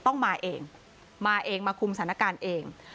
ต้องมาเองมาเองมาคุมสถานการณ์เอง